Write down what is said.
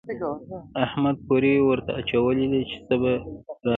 احمد کوری ورته اچولی دی چې څه به راکړي.